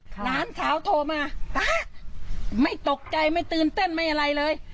หลานสาวโทรมาตาไม่ตกใจไม่ตื่นเต้นไม่อะไรเลย